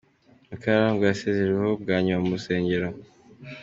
Mukakarangwa yasezereweho bwa nyuma mu rusengero.